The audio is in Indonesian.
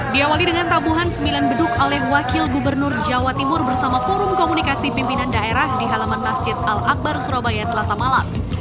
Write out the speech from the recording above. diawali dengan tabuhan sembilan beduk oleh wakil gubernur jawa timur bersama forum komunikasi pimpinan daerah di halaman masjid al akbar surabaya selasa malam